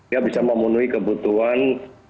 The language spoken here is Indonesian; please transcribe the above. ya bisa memenuhi kebutuhan